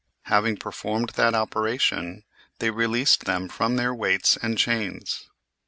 Having performed that operation, they released them from their weights and chains.